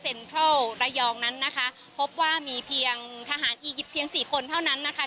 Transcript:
ทรัลระยองนั้นนะคะพบว่ามีเพียงทหารอียิปต์เพียงสี่คนเท่านั้นนะคะ